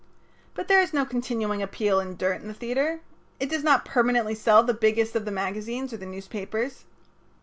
But there is no continuing appeal in dirt in the theater. It does not permanently sell the biggest of the magazines or the newspapers.